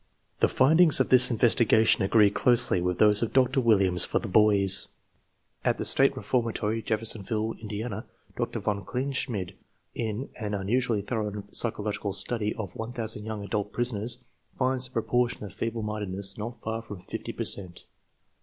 The findings of this investigation agree closely with those of Dr. Williams for the boys. At the State Reformatory, Jeffersonville, Indiana, Dr. von Klein Schmid, in an unusually thorough psychological study of 1000 young adult prisoners, finds the proportion of feeble minded ness not far from 50 per cent.